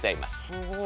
すごい。